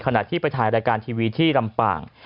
ขณะที่ไปถ่ายรายการทีวีที่ลำปาง